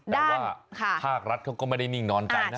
แต่ว่าภาครัฐเขาก็ไม่ได้นิ่งนอนใจนะ